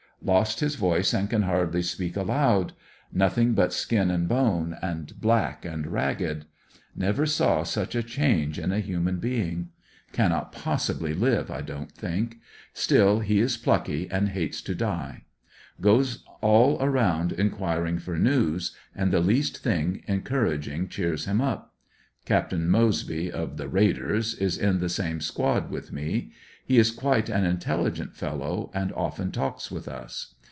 Lost his voice aud can hardly speak aloud; nothing but sKin and bone, and black and ragged. Never saw such a ANDERSONVILLE DIARY. 45 change in a human being Cannot possibly live, I don't think; still he is plucky and hates to die. Goes all around enquiring for news, and the least thiug encouraging cheers him up. i. apt. Moseby, uf the raiders, is in the same squad with me. He is quite an intelli gent fellow and often talks with us.